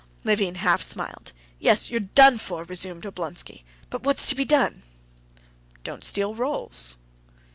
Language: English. Levin half smiled. "Yes, you're done for," resumed Oblonsky. "But what's to be done?" "Don't steal rolls."